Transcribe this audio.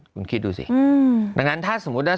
คุณคิดดูสิดังนั้นถ้าสมมุติว่า